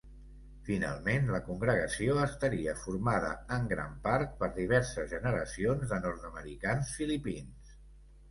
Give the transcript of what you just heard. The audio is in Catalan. Finalment, la congregació estaria formada en gran part per diverses generacions de nord-americans filipins.